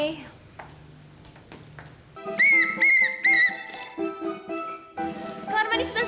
pertanyaannya terus aja dummy